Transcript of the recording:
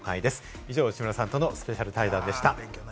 以上、内村さんとのスペシャル対談でした。